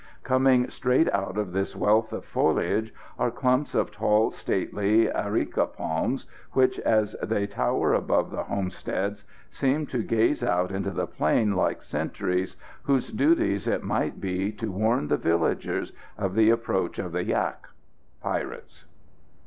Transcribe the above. Coming straight out of this wealth of foliage are clumps of tall, stately areca palms, which, as they tower above the homesteads, seem to gaze out into the plain like sentries, whose duties it might be to warn the villagers of the approach of the yak (pirates).